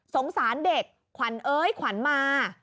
สงสารเด็กขวัญเอ้ยขวัญมา